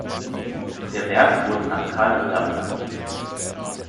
Der Berg wurde nach Carl Ritter benannt.